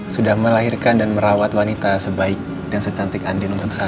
sudah melahirkan dan merawat wanita sebaik dan secantik andi untuk saya